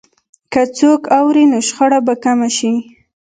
که څوک اوري، نو شخړه به کمه شي.